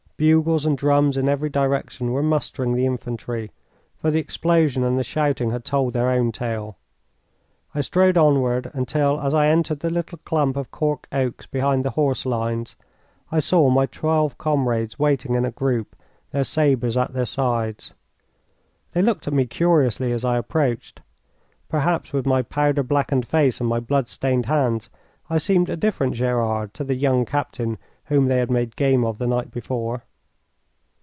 Bugles and drums in every direction were mustering the infantry, for the explosion and the shouting had told their own tale. I strode onward until, as I entered the little clump of cork oaks behind the horse lines, I saw my twelve comrades waiting in a group, their sabres at their sides. They looked at me curiously as I approached. Perhaps with my powder blackened face and my blood stained hands I seemed a different Gerard to the young captain whom they had made game of the night before.